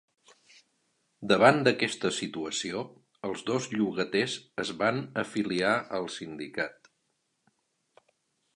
Davant d’aquesta situació, els dos llogaters es van afiliar al sindicat.